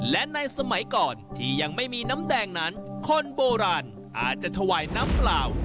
และในสมัยก่อนที่ยังไม่มีน้ำแดงนั้นคนโบราณอาจจะถวายน้ำเปล่า